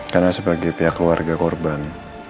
karena sebagai pihak keluarga korban